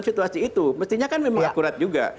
situasi itu mestinya kan memang akurat juga